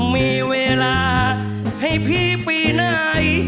มีเวลาให้พี่ปีไหน